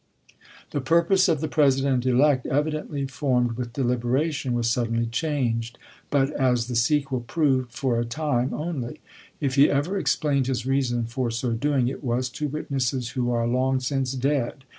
The purpose of the President elect, evidently formed with deliberation, was suddenly changed, but, as the sequel proved, for a time only. If he ever explained his reason for so doing, it was to witnesses who are long since dead.